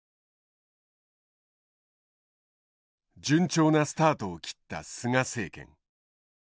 順調なスタートを切った菅政権。